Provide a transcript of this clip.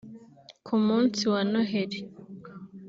Ku munsi wa Noheli